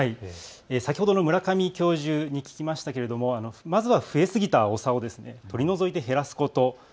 先ほどの村上教授に聞きましたけれども、まずは増え過ぎたアオサを取り除いて減らすこと。